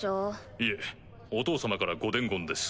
いえお父様からご伝言です。